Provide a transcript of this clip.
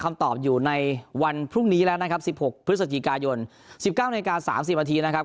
คำตอบอยู่ในวันพรุ่งนี้แล้วนะครับ๑๖พฤศจิกายน๑๙นาที๓๐นาทีนะครับ